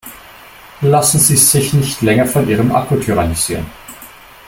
Lassen Sie sich nicht länger von ihrem Akku tyrannisieren!